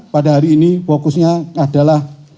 pada hari ini fokusnya adalah